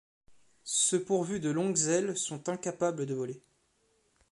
Ceux pourvus de longues ailes sont incapables de voler.